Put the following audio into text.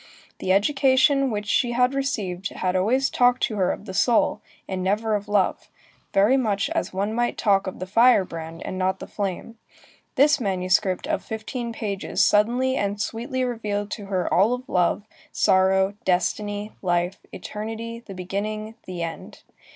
The education which she had received had always talked to her of the soul, and never of love, very much as one might talk of the firebrand and not of the flame. This manuscript of fifteen pages suddenly and sweetly revealed to her all of love, sorrow, destiny, life, eternity, the beginning, the end.